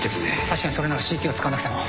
確かにそれならＣＴを使わなくても。